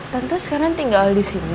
tante sekarang tinggal disini